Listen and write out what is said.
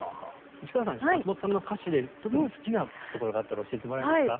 市川さん松本さんの歌詞で特に好きなところがあったら教えてもらえますか？